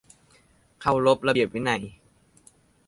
เคารพระเบียบวินัย